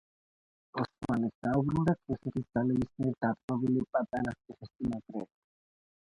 ოსმალებს დაუბრუნდათ რუსეთის ძალების მიერ დაპყრობილი პატარა ციხესიმაგრე.